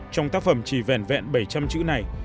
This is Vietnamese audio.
trong tác phẩm chỉ vẹn vẹn bảy trăm linh chữ này